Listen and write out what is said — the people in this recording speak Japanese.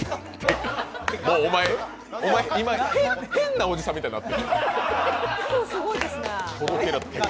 お前、今、変なおじさんみたいになってるよ。